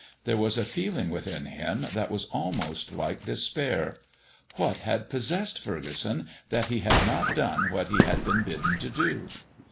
There was a feeling within him that was almost like despair. What had possessed Furgeson that he had not done what he had been bidden to do?